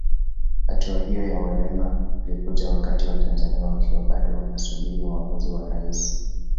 Hatua hiyo ya Werema ilikuja wakati Watanzania wakiwa bado wanasubiri uamuzi wa Rais